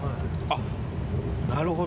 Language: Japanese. あっなるほど！